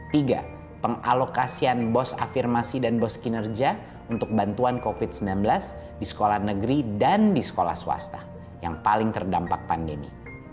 tiga pengalokasian bos afirmasi dan bos kinerja untuk bantuan covid sembilan belas di sekolah negeri dan di sekolah swasta yang paling terdampak pandemi